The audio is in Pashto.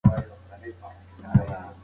هغه په یوه ساعت کې خپل منزل ته رارسېدونکی دی.